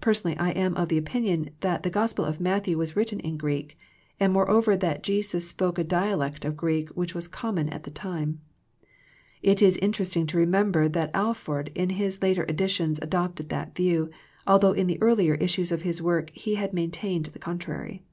Personally, I am of opinion that the Gospel of Matthew was written in Greek, and moreover that Jesus spoke a dialect of Greek which was common at the time. It is interesting to remember that Alford in his later editions adopted that view, although in the earlier issues of his work he had maintained the contrary.